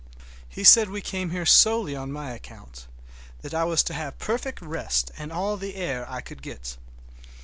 He said we came here solely on my account, that I was to have perfect rest and all the air I could get.